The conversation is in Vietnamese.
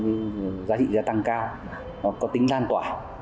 những dự án đầu tư có giá trị giá tăng cao có tính đan tỏa